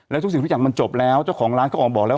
แล้วทุกสิ่งทุกอย่างมันจบแล้วเจ้าของร้านก็ออกบอกแล้ว